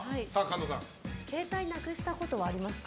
携帯なくしたことはありますか。